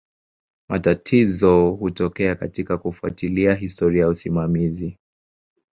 Matatizo hutokea katika kufuatilia historia ya usimamizi.